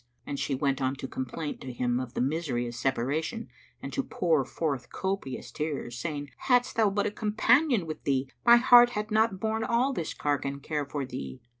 And she went on to complain to him of the misery of separation and to pour forth copious tears, saying, "Hadst thou but a companion with thee, my heart had not borne all this cark and care for thee.